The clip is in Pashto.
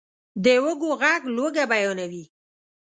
د وږو ږغ لوږه بیانوي.